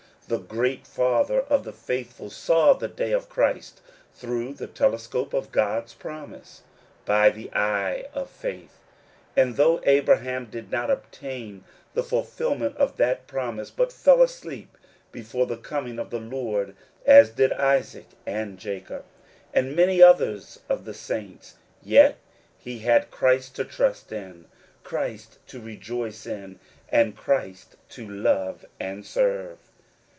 The great father of the faithful saw the day of Christ through the telescope of God*s promise, by the eye of faith ; and though Abraham did not obtain the fulfilment of that promise, but fell asleep before the coming of the Lord, as did Isaac, and Jacob, and many others of the saints, yet he had Christ to trust in, Christ to rejoice in, and Christ to love and serve.